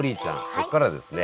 ここからはですね